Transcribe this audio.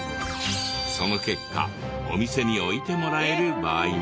その結果お店に置いてもらえる場合も。